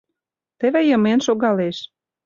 Теве йымен шогалеш.